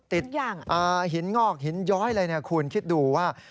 ติดหินงอกหินย้อยคุณคิดดูว่า